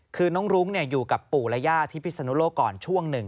คือน้องรุ้งอยู่กับปู่และย่าที่พิศนุโลกก่อนช่วงหนึ่ง